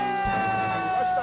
きました。